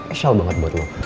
spesial banget buat lo